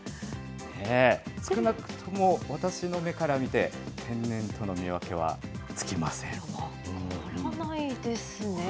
少なくとも私の目から見て、天然との見分けはつきません、分からないですね。